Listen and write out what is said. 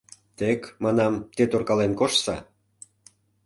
Тек, манам, те торкален коштса.